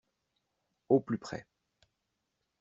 Au plus près